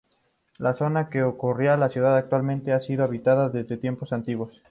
La zona que ocupa la ciudad actualmente ha sido habitada desde tiempos antiguos.